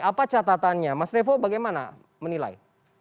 apa catatannya mas revo bagaimana menilai